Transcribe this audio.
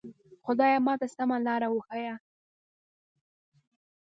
خدایه ماته سمه لاره وښیه.